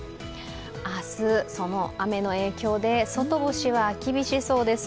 明日、その雨の影響で外干しは厳しそうです。